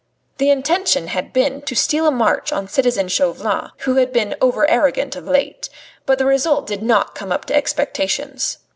The intention had been to steal a march on citizen Chauvelin, who had been over arrogant of late; but the result did not come up to expectations.